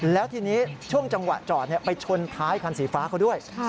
แล้วทีนี้ช่วงจังหวะจอดไปชนท้ายคันสีฟ้าเขาด้วย